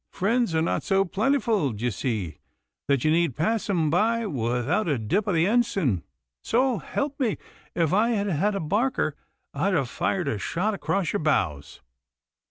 friends are not so plentiful, d'ye see, that ye need pass 'em by without a dip o' the ensign. So help me, if I had had a barker I'd have fired a shot across your bows.